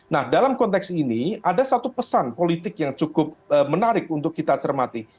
nah dalam konteks ini ada satu pesan politik yang cukup menarik untuk kita cermati